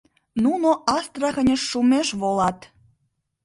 Нуно Астраханьыш шумеш волат...